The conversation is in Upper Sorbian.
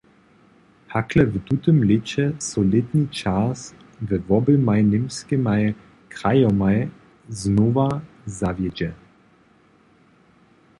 Hakle w tutym lěće so lětni čas we woběmaj němskimaj krajomaj znowa zawjedźe.